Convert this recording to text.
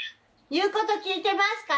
言うこと聞いてますか？